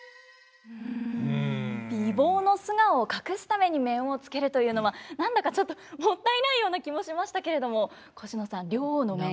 美貌の素顔を隠すために面をつけるというのは何だかちょっともったいないような気もしましたけれどもコシノさん陵王の面どのようにご覧になりましたか。